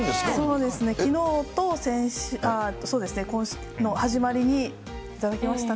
そうですね、きのうと今週の始まりに、頂きましたね。